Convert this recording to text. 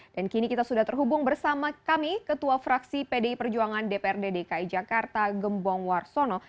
dan kini kita sudah terhubung bersama kami ketua fraksi pdi perjuangan dprd dki jakarta gembong warsono